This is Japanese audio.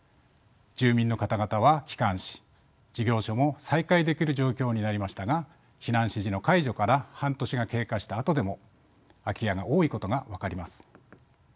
住民の方々は帰還し事業所も再開できる状況になりましたが避難指示の解除から半年が経過したあとでも空き家が多いことが分かります。